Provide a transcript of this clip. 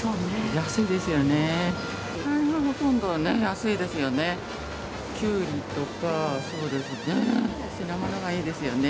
野菜がほとんど安いですよね。